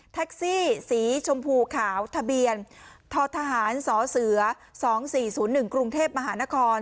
แท็กซี่สีชมพูขาวทะเบียนททหารสเส๒๔๐๑กรุงเทพมหานคร